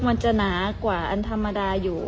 มันจะหนากว่าอันธรรมดาอยู่